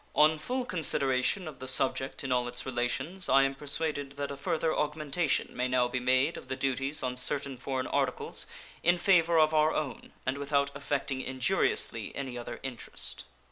On full consideration of the subject in all its relations I am persuaded that a further augmentation may now be made of the duties on certain foreign articles in favor of our own and without affecting injuriously any other interest.